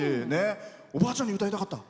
おばあちゃんに歌いたかった。